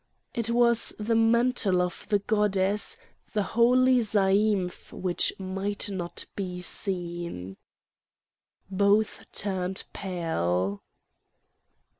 It was the mantle of the goddess, the holy zaïmph which might not be seen. Both turned pale.